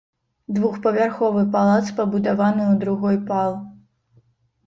Двухпавярховы палац пабудаваны ў другой пал.